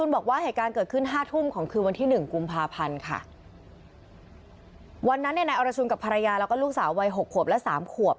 บอกว่าเหตุการณ์เกิดขึ้นห้าทุ่มของคืนวันที่หนึ่งกุมภาพันธ์ค่ะวันนั้นเนี่ยนายอรชุนกับภรรยาแล้วก็ลูกสาววัยหกขวบและสามขวบ